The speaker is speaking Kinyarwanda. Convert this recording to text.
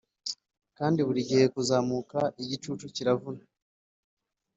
kandi burigihe kuzamuka igicucu kirakura